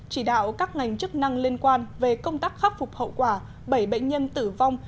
chỉ đạo các ngành chức năng liên quan về công tác khắc phục hậu quả bảy bệnh nhân tử vong